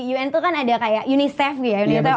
un itu kan ada kayak unicef gitu ya